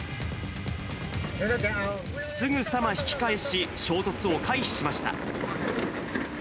すぐさま引き返し、衝突を回避しました。